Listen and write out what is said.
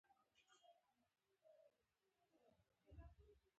په دغو کلونو کې ډېرې پېښې منځته راغلې.